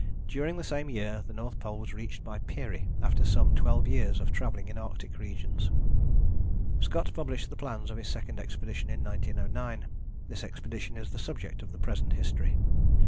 During the same year the North Pole was reached by Peary after some twelve years of travelling in Arctic regions. Scott published the plans of his second expedition in 1909. This expedition is the subject of the present history.